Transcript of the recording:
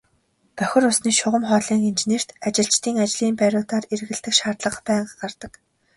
Бохир усны шугам хоолойн инженерт ажилчдын ажлын байруудаар эргэлдэх шаардлага байнга гарна.